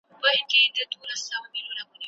تاریخي حقایق باید په دقت سره وڅېړل سي.